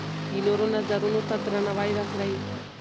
د نورو نظرونو ته درناوی وکړئ.